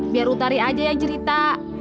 biar utari aja ya cerita